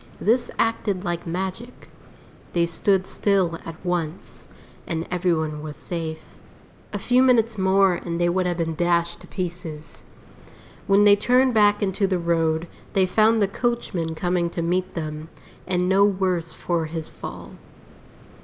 This acted like magic; they stood still at once, and every one was safe. A few minutes more and they would have been dashed to pieces. When they turned back into the road they found the coachman coming to meet them, and no worse for his fall.